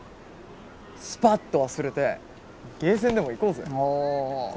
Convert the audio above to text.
スパッと忘れてゲーセンでも行こうぜ！